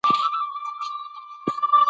آیا د ایران خلک به د افغانانو اطاعت وکړي؟